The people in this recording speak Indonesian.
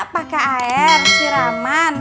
pakai air siraman